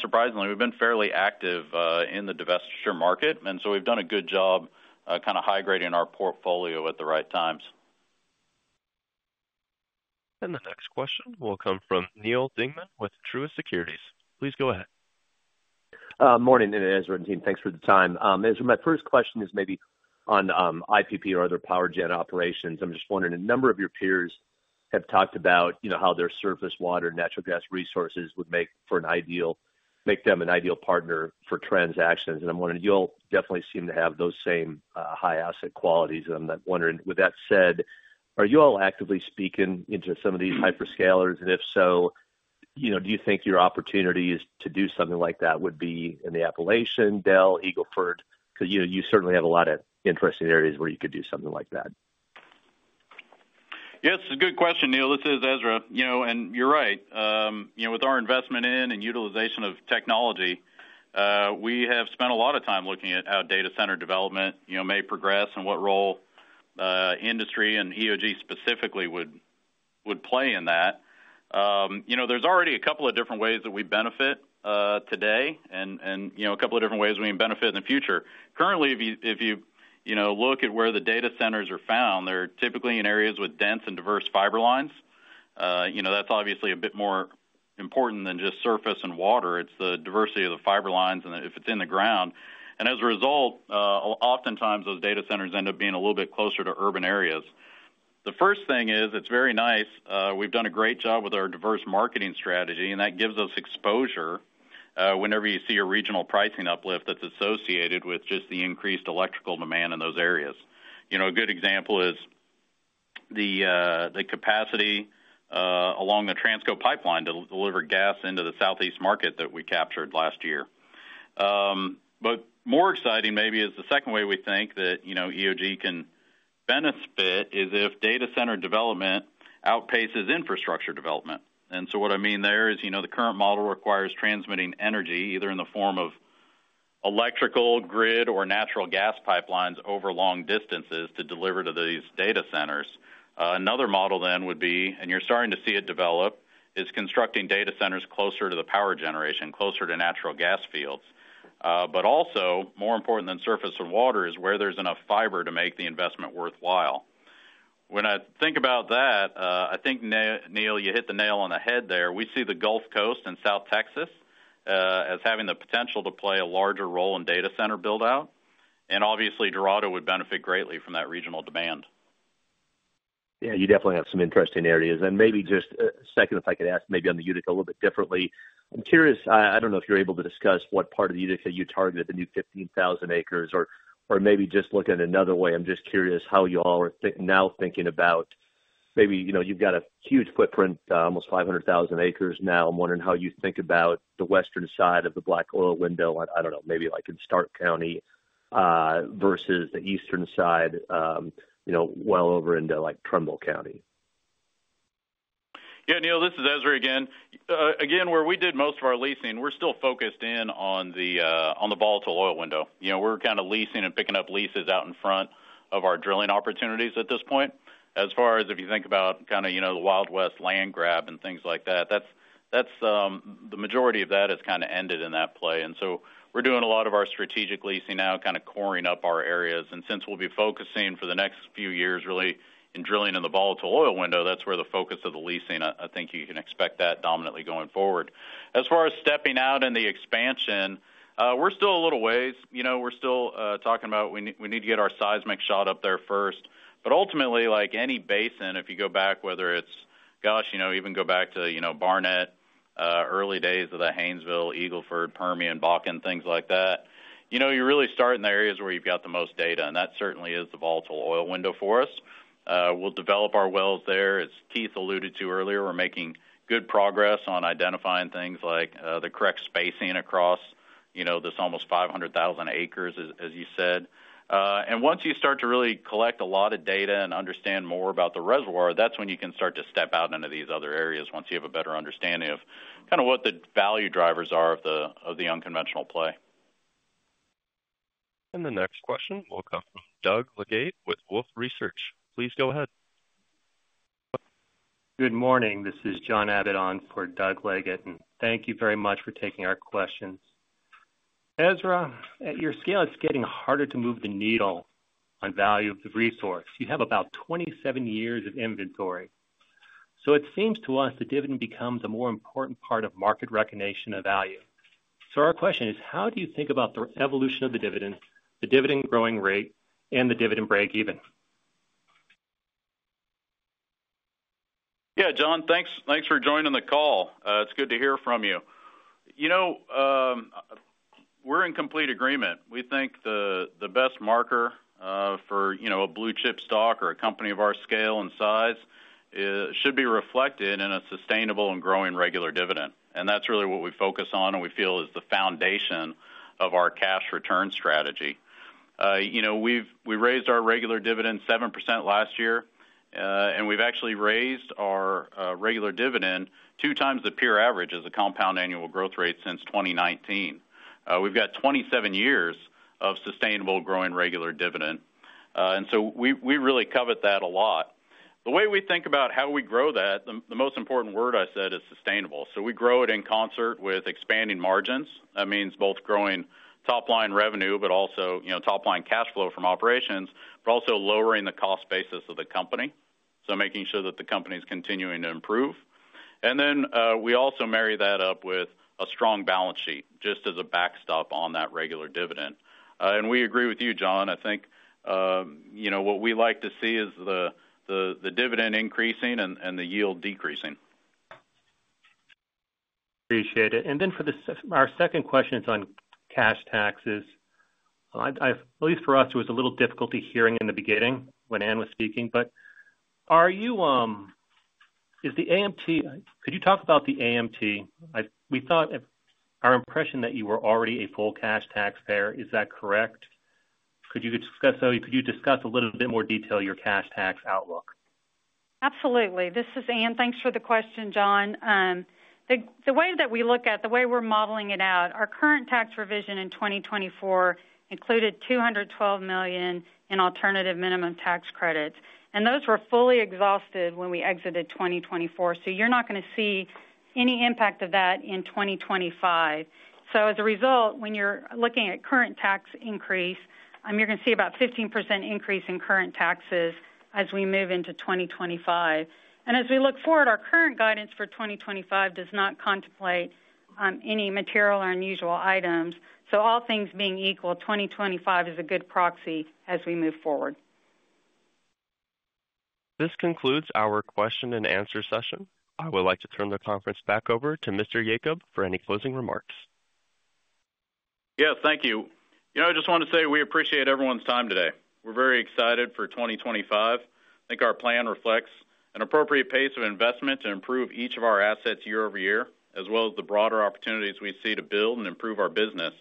surprisingly, fairly active in the divestiture market. And so we've done a good job kind of high-grading our portfolio at the right times. And the next question will come from Neal Dingman with Truist Securities. Please go ahead. Morning, Ezra and team. Thanks for the time. Ezra, my first question is maybe on IPP or other power gen operations. I'm just wondering, a number of your peers have talked about how their surface water and natural gas resources would make for an ideal partner for transactions. And I'm wondering, y'all definitely seem to have those same high-asset qualities. And I'm wondering, with that said, are y'all actively speaking into some of these hyperscalers? And if so, do you think your opportunities to do something like that would be in the Appalachian, Delaware, Eagle Ford? Because you certainly have a lot of interesting areas where you could do something like that. Yes, it's a good question, Neal. This is Ezra, and you're right. With our investment in and utilization of technology, we have spent a lot of time looking at how data center development may progress and what role industry and EOG specifically would play in that. There's already a couple of different ways that we benefit today and a couple of different ways we can benefit in the future. Currently, if you look at where the data centers are found, they're typically in areas with dense and diverse fiber lines. That's obviously a bit more important than just surface and water. It's the diversity of the fiber lines and if it's in the ground, and as a result, oftentimes those data centers end up being a little bit closer to urban areas. The first thing is it's very nice. We've done a great job with our diverse marketing strategy, and that gives us exposure whenever you see a regional pricing uplift that's associated with just the increased electrical demand in those areas. A good example is the capacity along the Transco pipeline to deliver gas into the Southeast market that we captured last year. But more exciting maybe is the second way we think that EOG can benefit is if data center development outpaces infrastructure development. And so what I mean there is the current model requires transmitting energy either in the form of electrical, grid, or natural gas pipelines over long distances to deliver to these data centers. Another model then would be, and you're starting to see it develop, is constructing data centers closer to the power generation, closer to natural gas fields. But also, more important than surface and water is where there's enough fiber to make the investment worthwhile. When I think about that, I think, Neal, you hit the nail on the head there. We see the Gulf Coast and South Texas as having the potential to play a larger role in data center build-out. And obviously, Dorado would benefit greatly from that regional demand. Yeah, you definitely have some interesting areas. And maybe just a second, if I could ask maybe on the Utica a little bit differently. I'm curious, I don't know if you're able to discuss what part of the Utica you targeted the new 15,000 acres or maybe just looking at another way. I'm just curious how y'all are now thinking about maybe you've got a huge footprint, almost 500,000 acres now. I'm wondering how you think about the western side of the black oil window. I don't know, maybe like in Stark County versus the eastern side well over into Trumbull County. Yeah, Neal, this is Ezra again. Again, where we did most of our leasing, we're still focused in on the volatile oil window. We're kind of leasing and picking up leases out in front of our drilling opportunities at this point. As far as if you think about kind of the Wild West land grab and things like that, the majority of that has kind of ended in that play. And so we're doing a lot of our strategic leasing now, kind of coring up our areas. And since we'll be focusing for the next few years really in drilling in the volatile oil window, that's where the focus of the leasing. I think you can expect that dominantly going forward. As far as stepping out in the expansion, we're still a little ways. We're still talking about we need to get our seismic shot up there first. But ultimately, like any basin, if you go back, whether it's, gosh, even go back to Barnett, early days of the Haynesville, Eagle Ford, Permian, Bakken, things like that, you're really starting the areas where you've got the most data. And that certainly is the volatile oil window for us. We'll develop our wells there. As Keith alluded to earlier, we're making good progress on identifying things like the correct spacing across this almost 500,000 acres, as you said. And once you start to really collect a lot of data and understand more about the reservoir, that's when you can start to step out into these other areas once you have a better understanding of kind of what the value drivers are of the unconventional play. The next question will come from Doug Legate with Wolfe Research. Please go ahead. Good morning. This is John Abbott on for Doug Legate. And thank you very much for taking our questions. Ezra, at your scale, it's getting harder to move the needle on value of the resource. You have about 27 years of inventory. So it seems to us the dividend becomes a more important part of market recognition of value. So our question is, how do you think about the evolution of the dividend, the dividend growing rate, and the dividend break-even? Yeah, John, thanks for joining the call. It's good to hear from you. We're in complete agreement. We think the best marker for a blue chip stock or a company of our scale and size should be reflected in a sustainable and growing regular dividend. And that's really what we focus on and we feel is the foundation of our cash return strategy. We raised our regular dividend 7% last year, and we've actually raised our regular dividend 2x the peer average as a compound annual growth rate since 2019. We've got 27 years of sustainable growing regular dividend. And so we really covet that a lot. The way we think about how we grow that, the most important word I said is sustainable. So we grow it in concert with expanding margins. That means both growing top-line revenue, but also top-line cash flow from operations, but also lowering the cost basis of the company. So making sure that the company is continuing to improve. And then we also marry that up with a strong balance sheet just as a backstop on that regular dividend. And we agree with you, John. I think what we like to see is the dividend increasing and the yield decreasing. Appreciate it. And then for our second question, it's on cash taxes. At least for us, it was a little difficulty hearing in the beginning when Ann was speaking. But is the AMT? Could you talk about the AMT? We thought our impression that you were already a full cash taxpayer. Is that correct? Could you discuss a little bit more detail your cash tax outlook? Absolutely. This is Ann. Thanks for the question, John. The way that we look at the way we're modeling it out, our current tax provision in 2024 included $212 million in alternative minimum tax credits. And those were fully exhausted when we exited 2024. So you're not going to see any impact of that in 2025. So as a result, when you're looking at current tax provision, you're going to see about a 15% increase in current taxes as we move into 2025. And as we look forward, our current guidance for 2025 does not contemplate any material or unusual items. So all things being equal, 2025 is a good proxy as we move forward. This concludes our question and answer session. I would like to turn the conference back over to Mr. Yacob for any closing remarks. Yeah, thank you. I just want to say we appreciate everyone's time today. We're very excited for 2025. I think our plan reflects an appropriate pace of investment to improve each of our assets year over year, as well as the broader opportunities we see to build and improve our business.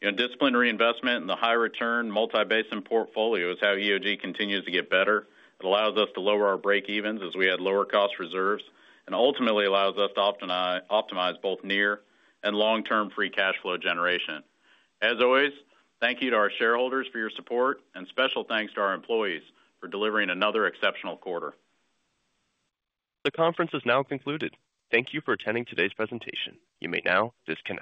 Disciplined reinvestment and the high-return multi-basin portfolio is how EOG continues to get better. It allows us to lower our break-evens as we add lower cost reserves and ultimately allows us to optimize both near and long-term free cash flow generation. As always, thank you to our shareholders for your support and special thanks to our employees for delivering another exceptional quarter. The conference is now concluded. Thank you for attending today's presentation. You may now disconnect.